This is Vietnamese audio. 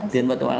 tiền bận tật